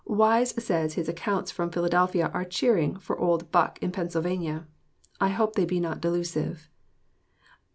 Wise says his accounts from Philadelphia are cheering for old Buck in Pennsylvania. I hope they be not delusive.